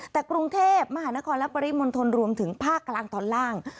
แต่กรุงเทพมหานครและปริมณฑลรวมถึงภาคกลางตอนล่าง